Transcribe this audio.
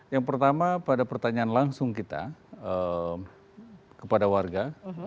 yang pertama pada pertanyaan langsung kita kepada warga